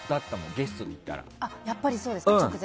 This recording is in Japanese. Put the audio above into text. ゲストで行ったら。